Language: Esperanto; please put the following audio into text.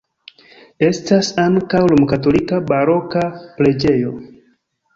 Estas ankaŭ romkatolika baroka preĝejo.